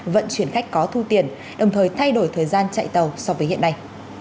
vận chuyển khách có thu tiền đồng thời thay đổi thời gian chạy tàu so với hiện nay